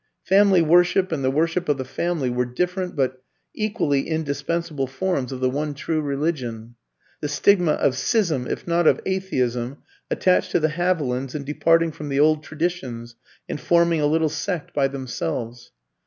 Family worship and the worship of the Family were different but equally indispensable forms of the one true religion. The stigma of schism, if not of atheism, attached to the Havilands in departing from the old traditions and forming a little sect by themselves.